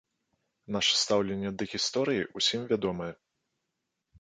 Наша стаўленне да гісторыі ўсім вядомае.